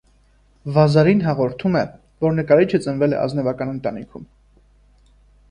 Վազարին հաղորդում է, որ նկարիչը ծնվել է ազնվական ընտանիքում։